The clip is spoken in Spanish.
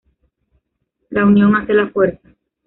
La unión hace la fuerza